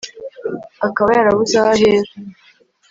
akaba yarabuze aho ahera